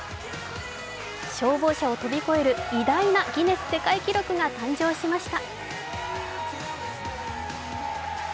消防車を飛び越える偉大なギネス世界記録が誕生しました。